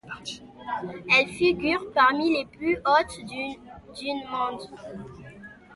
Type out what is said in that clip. Elles figurent parmi les plus hautes dunes du monde.